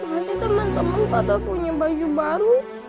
masih temen temen pada punya baju baru